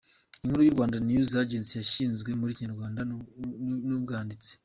Inkuru ya Rwanda News Agency yashyizwe mu Kinyarwanda n’ubwanditsi .